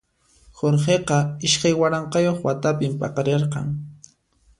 Jorgeqa iskay waranqayuq watapi paqarirqan.